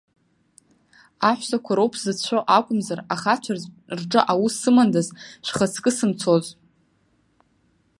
Аҳәсақәа роуп сзыцәшәо акәымзар, ахацәа рҿы аус сымандаз, шәхаҵкы сымцоз.